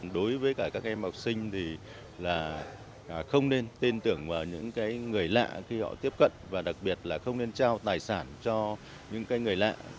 đối với cả các em học sinh thì không nên tin tưởng vào những người lạ khi họ tiếp cận và đặc biệt là không nên trao tài sản cho những người lạ